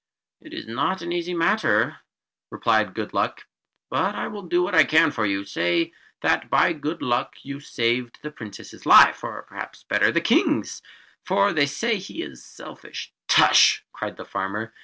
"It is not an easy matter," replied Good Luck, "but I will do what I can for you. Say that by good luck you saved the Princess's life, or perhaps better the King's for they say he is selfish " "Tush!" cried the farmer.